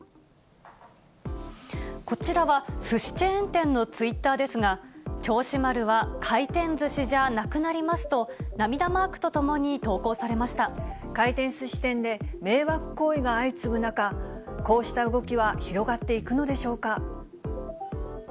こちらは、すしチェーン店のツイッターですが、銚子丸は回転ずしじゃなくなりますと、涙マークとともに投稿され回転すし店で迷惑行為が相次ぐ中、こうした動きは広がっていくのでしょうか。